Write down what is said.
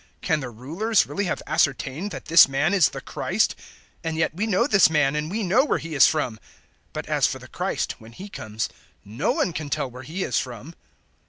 Can the Rulers really have ascertained that this man is the Christ? 007:027 And yet we know this man, and we know where he is from; but as for the Christ, when He comes, no one can tell where He is from."